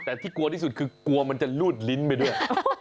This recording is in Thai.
แต่ที่กลัวที่สุดคือกลัวมันจะรูดลิ้นไปด้วย